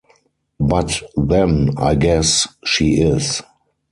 But then, I guess, she is.